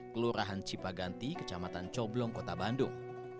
kelurahan cipaganti kecamatan coblong kota bandung